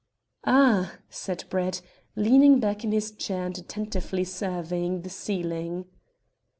"Ah!" said Brett, leaning back in his chair and attentively surveying the ceiling.